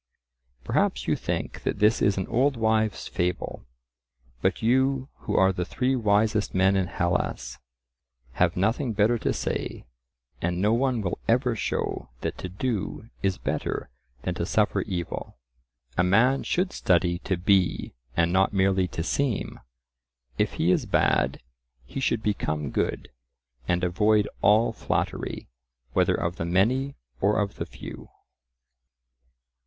Perhaps you think that this is an old wives' fable. But you, who are the three wisest men in Hellas, have nothing better to say, and no one will ever show that to do is better than to suffer evil. A man should study to be, and not merely to seem. If he is bad, he should become good, and avoid all flattery, whether of the many or of the few.